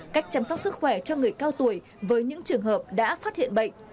cách chăm sóc sức khỏe cho người cao tuổi với những trường hợp đã phát hiện bệnh